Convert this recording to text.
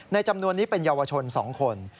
จำนวนนี้เป็นเยาวชน๒คน